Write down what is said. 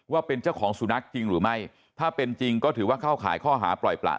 ว่าเป็นเจ้าของสุนัขจริงหรือไม่ถ้าเป็นจริงก็ถือว่าเข้าข่ายข้อหาปล่อยประ